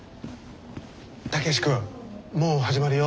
武志君もう始まるよ。